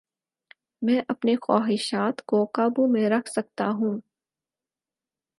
میں اپنی خواہشات کو قابو میں رکھ سکتا ہوں